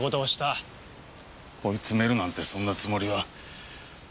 追い詰めるなんてそんなつもりは。